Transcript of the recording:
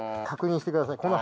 確認してください。